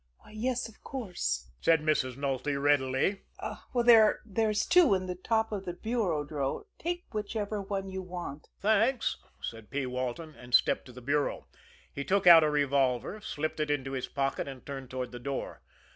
"Why, yes, of course," said Mrs. Nulty readily. "There's two there in the top bureau drawer. Take whichever one you want." "Thanks," said P. Walton and stepped to the bureau. He took out a revolver, slipped it into his pocket, and turned toward the door.